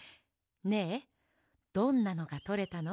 ねえどんなのがとれたの？